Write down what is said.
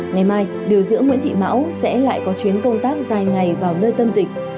ngày mai điều dưỡng nguyễn thị mão sẽ lại có chuyến công tác dài ngày vào nơi tâm dịch